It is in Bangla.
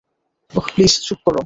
ওহ, প্লিজ, চুপ কর।